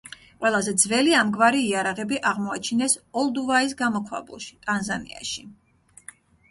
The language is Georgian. ყველაზე ძველი ამგვარი იარაღები აღმოაჩინეს ოლდუვაის გამოქვაბულში, ტანზანიაში.